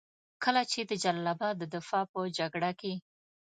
کله چې د جلال اباد د دفاع په جګړه کې.